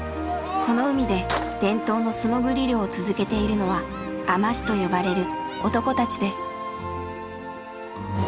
この海で伝統の素もぐり漁を続けているのは「海士」と呼ばれる男たちです。